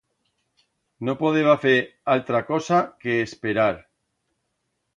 No podeba fer altra cosa que esperar.